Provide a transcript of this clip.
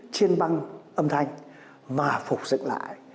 chiên băng âm thanh mà phục dựng lại